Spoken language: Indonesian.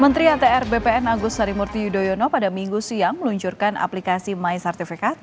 menteri atr bpn agus harimurti yudhoyono pada minggu siang meluncurkan aplikasi my sertifikat